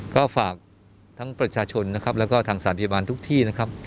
ก็ฝากทั้งประชาชนและทางสถานพยาบาลทุกที่